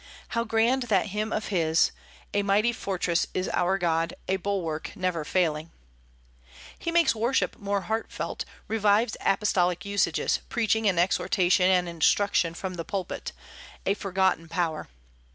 How grand that hymn of his, "A mighty fortress is our God, A bulwark never failing." He makes worship more heartfelt, and revives apostolic usages: preaching and exhortation and instruction from the pulpit, a forgotten power.